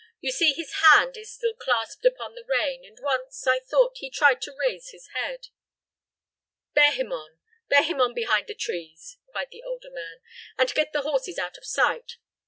"You see his hand is still clasped upon the rein, and once, I thought, he tried to raise his head." "Bear him on bear him on behind the trees," cried the older man, "and get the horses out of sight.